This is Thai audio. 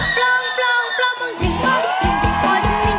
ปล้องปล้องปล้องมองชิงปะจริงจริงป่อจริงนิ่ง